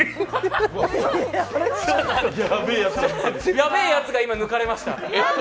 やべえやつが今、抜かれました。